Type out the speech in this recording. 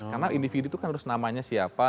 karena individu itu kan harus namanya siapa